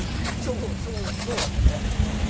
そうそうだったねうん。